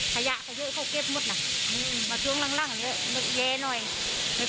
ขยะเขาเยอะเขาเก็บหมดน่ะอืมมาช่วงล่างอย่างเงี้ยแย่หน่อย